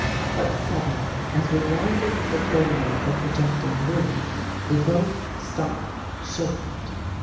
But suddenly, as we rounded the corner of a projecting wing, we both stopped short.